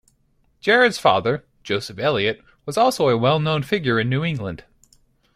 Jared's father, Joseph Eliot, was also a well-known figure in New England.